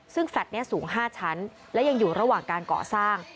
ซึ่งแฟลต์นี้สูง๕ชั้นและยังอยู่ระหว่างการก่อสร้าง